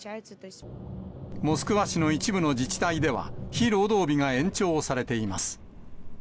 モスクワ市の一部の自治体では、非労働日が延長されています。